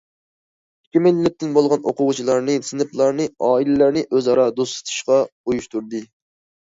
ئىككى مىللەتتىن بولغان ئوقۇغۇچىلارنى، سىنىپلارنى، ئائىلىلەرنى ئۆزئارا دوستلىشىشقا ئۇيۇشتۇردى.